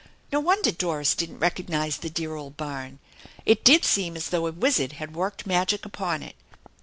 No wonder Doris didn't recognize the dear old barn. It did seem as though a wizard had worked magic upon it.